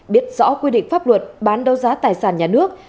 biết rõ quy định pháp luật bán đấu giá tài sản nhà nước